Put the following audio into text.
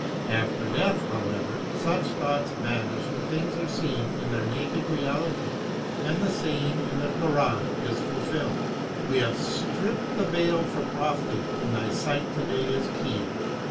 After death, however, such thoughts vanish and things are seen in their naked reality, and the saying in the Koran is fulfilled: "We have stripped the veil from off thee and thy sight today is keen."